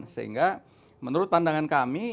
sehingga menurut pandangan kami